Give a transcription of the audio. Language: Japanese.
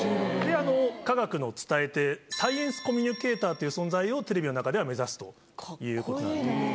科学の伝えて、サイエンスコミュニケーターという存在を、テレビの中では目指すということなんです。